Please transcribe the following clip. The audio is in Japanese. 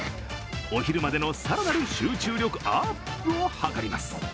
お昼までの更なる集中力アップを図ります。